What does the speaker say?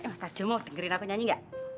mas arjo mau dengerin aku nyanyi enggak